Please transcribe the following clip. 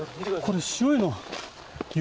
これ白いの雪？